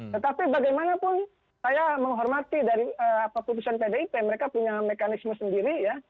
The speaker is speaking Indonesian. tetapi bagaimanapun saya menghormati dari putusan pdip mereka punya mekanisme sendiri ya